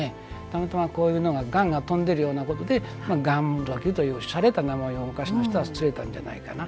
たまたま雁が飛んでいるようなことでがんもどきというしゃれた名前を昔の人はつけたんじゃないかな。